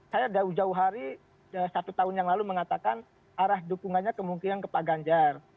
saya jauh jauh hari satu tahun yang lalu mengatakan arah dukungannya kemungkinan ke pak ganjar